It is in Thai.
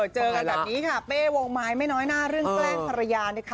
เจอกันแบบนี้ค่ะเป้วงไม้ไม่น้อยหน้าเรื่องแกล้งภรรยานะคะ